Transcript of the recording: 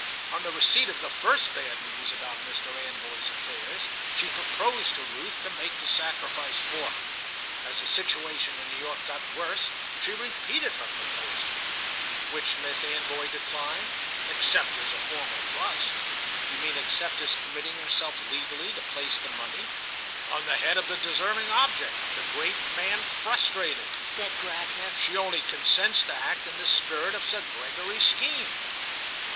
On the receipt of the first bad news about Mr. Anvoy's affairs she proposed to Ruth to make the sacrifice for her. As the situation in New York got worse she repeated her proposal." "Which Miss Anvoy declined?" "Except as a formal trust." "You mean except as committing herself legally to place the money?" "On the head of the deserving object, the great man frustrated," said Gravener. "She only consents to act in the spirit of Sir Gregory's scheme."